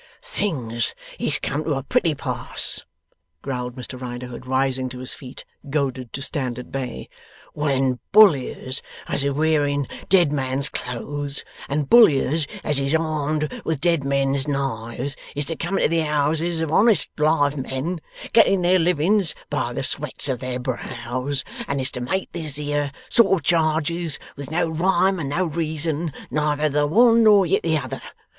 'Things is come to a pretty pass,' growled Mr Riderhood, rising to his feet, goaded to stand at bay, 'when bullyers as is wearing dead men's clothes, and bullyers as is armed with dead men's knives, is to come into the houses of honest live men, getting their livings by the sweats of their brows, and is to make these here sort of charges with no rhyme and no reason, neither the one nor yet the other!